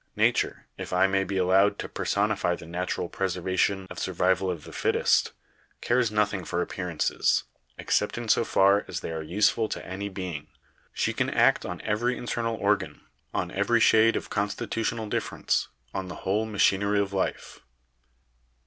Nature, if I may be allowed to personify the natural preservation or survival of the fittest, cares nothing for appearances, except in so far as they are useful to any being. She can act on every internal organ, on every shade of consti . tutional difference, on the whole machinery of life.